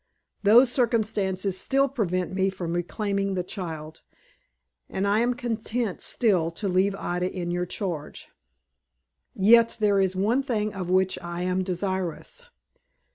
Those circumstances still prevent me from reclaiming the child, and I am content, still, to leave Ida in your charge. Yet, there is one thing of which I am desirous.